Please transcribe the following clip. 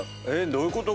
どういうこと？